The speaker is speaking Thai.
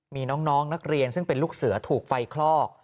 มีน้องนักเรียนซึ่งเป็นลูกเสือถูกไฟคลอก